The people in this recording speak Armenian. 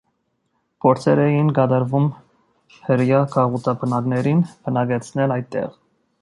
Փորձեր էին կատարվում հրեա գաղութաբնակներին բնակեցնել այդտեղ։